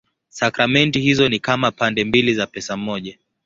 Sakramenti hizo ni kama pande mbili za pesa moja.